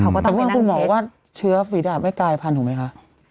เขาก็ต้องไปนั่งเช็ดแต่ว่าคุณบอกว่าเชื้อฟีดาตไม่กายพันธุ์ถูกไหมคะ